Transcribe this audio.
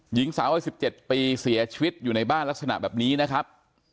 หญิงสาววัย๑๗ปีเสียชีวิตอยู่ในบ้านลักษณะแบบนี้นะครับ